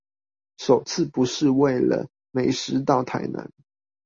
首次不是為了美食到台南